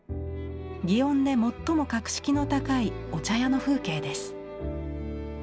園で最も格式の高いお茶屋の風景です。